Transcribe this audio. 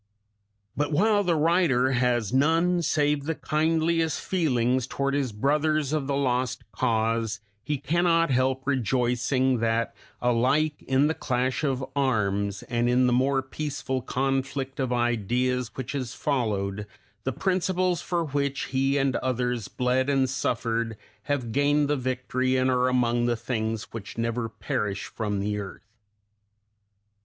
But while the writer has none save the kindliest feelings toward his brothers of the lost cause, he cannot help rejoicing that alike in the clash of arms, and in the more peaceful conflict of ideas which has followed, the principles for which he and others bled and suffered have gained the victory and are among the things which never perish from the earth.